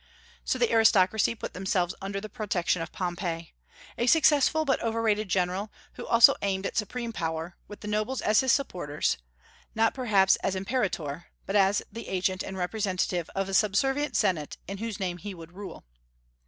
So the aristocracy put themselves under the protection of Pompey, a successful but overrated general, who also aimed at supreme power, with the nobles as his supporters, not perhaps as Imperator, but as the agent and representative of a subservient Senate, in whose name he would rule.